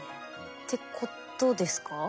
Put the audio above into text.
ってことですか？